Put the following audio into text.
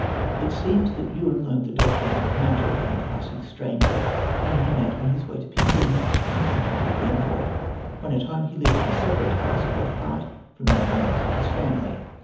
It seems that Yun learned the doctrine of magic from a passing stranger, whom he met on his way to Peking in company with the envoy. When at home he lived in a separate house, quite apart from the other members of his family.